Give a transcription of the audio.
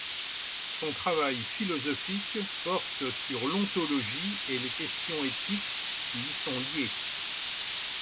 Son travail philosophique porte sur l'ontologie et les questions éthiques qui y sont liées.